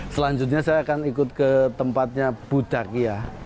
selanjutnya saya akan ikut ke tempatnya bu cakia